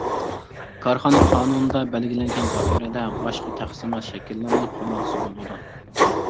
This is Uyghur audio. كارخانا قانۇندا بەلگىلەنگەن دائىرىدە باشقا تەقسىمات شەكىللىرىنى قوللانسا بولىدۇ.